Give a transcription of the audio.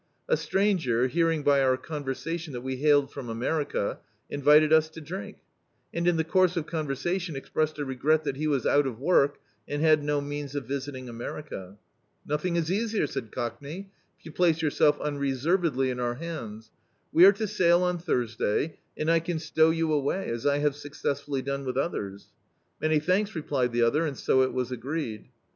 A stranger, bearing by our conversation that we hailed from America, ' invited us to drink; and in the course of conversa tion expressed a regret that he was out of work, and had no means of visiting America. "Nothing is easier," said Cockney, "if you place yourself unre servedly in our hands. We are to sail on Thurs day, and I can stow you away, as I have success fully done with others." "Many thanks," replied the other, and so it was agreed.